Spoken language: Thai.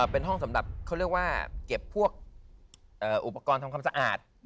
เป็นห้องสำหรับเขาเรียกว่าเก็บพวกอุปกรณ์ทำความสะอาด